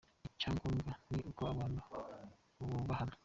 Icya ngombwa ni uko abantu bubahana.